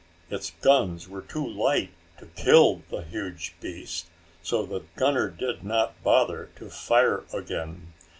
Its guns were too light to kill the huge beast, so the gunner did not bother to fire again.